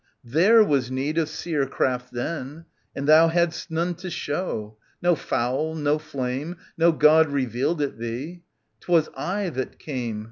There was need of Seer craft then. And thou hadst none to show. No fowl, no flame. No God revealed it thee. 'Twas I that came.